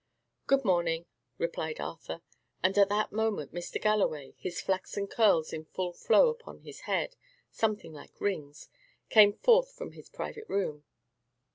"Good morning," replied Arthur. And at that moment Mr. Galloway his flaxen curls in full flow upon his head, something like rings came forth from his private room.